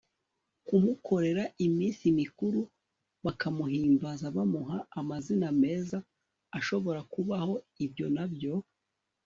kumukorera iminsi mikuru, bakamuhimbaza bamuha amazina meza ashobora kubaho ; ibyo na byo